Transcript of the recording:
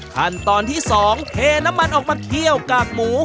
ขั้นตอนที่๒เทน้ำมันออกมาเคี่ยวกากหมู